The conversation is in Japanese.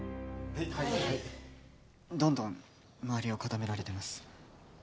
はいどんどん周りを固められてます